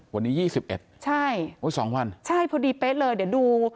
วันนี้ยี่สิบเอ็ดใช่โอ้ยสองวันใช่พอดีเป๊ะเลยเดี๋ยวดู